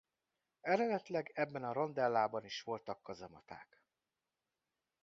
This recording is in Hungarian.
Eredetileg ebben a rondellában is voltak kazamaták.